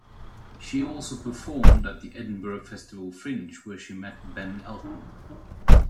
She also performed at the Edinburgh Festival Fringe, where she met Ben Elton.